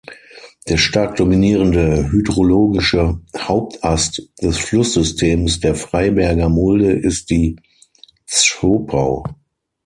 Der stark dominierende hydrologische Hauptast des Flusssystems der Freiberger Mulde ist die Zschopau.